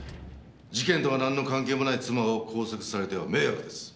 事件とはなんの関係もない妻を拘束されては迷惑です。